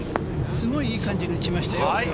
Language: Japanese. すごいいい感じで打ちましたよ。